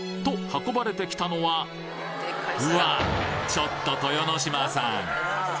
ちょっと豊ノ島さん！